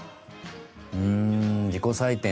うん自己採点